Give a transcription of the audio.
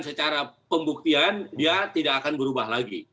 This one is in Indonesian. secara pembuktian dia tidak akan berubah lagi